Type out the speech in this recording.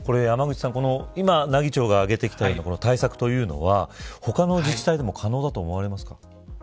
今、奈義町が挙げてきた対策というのは他の自治体でも可能だと思われますか。